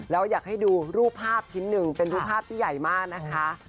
แล้วอยากให้ดูรูปภาพชิ้นหนึ่งเป็นรูปภาพที่ใหญ่มากนะคะ